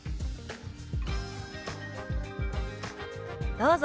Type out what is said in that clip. どうぞ。